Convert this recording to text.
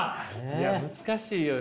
いや難しいよ。